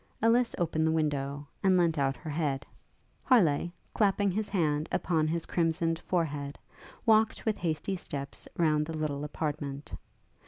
Ellis opened the window, and leant out her head; Harleigh, clapping his hand upon his crimsoned forehead, walked with hasty steps round the little apartment.